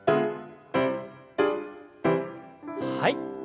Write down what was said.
はい。